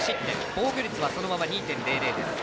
防御率はそのまま２．００です。